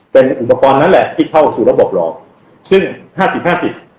เป็นอุปกรณ์นั้นแหละที่เข้าสู่ระบบหลอกซึ่งห้าสิบห้าสิบ